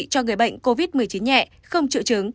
cho người bệnh covid một mươi chín nhẹ không chịu chứng